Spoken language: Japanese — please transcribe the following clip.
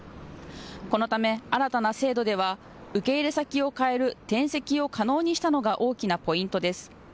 このため新たな制度では受け入れ先を変える転籍を可能にしたのが大きなポイントです。